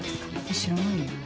知らないよ。